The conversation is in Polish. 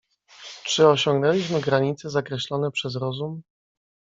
"Czy osiągnęliśmy granice, zakreślone przez rozum?"